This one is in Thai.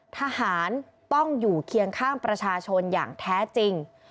ทหารต้องอยู่เคียงข้างประชาชนอย่างแท้จริง